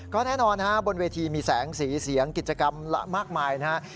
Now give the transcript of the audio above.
ก็แน่นอนฮะบนเวทีมีแสงสีเสียงกิจกรรมมากมายนะครับ